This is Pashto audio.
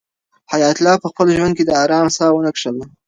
حیات الله په خپل ژوند کې د آرام ساه ونه کښله.